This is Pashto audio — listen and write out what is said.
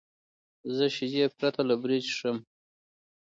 زه شیدې پرته له بوره څښم.